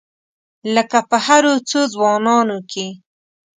لکه په هرو څو ځوانانو کې.